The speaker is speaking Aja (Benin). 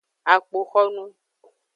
Akpoxonu.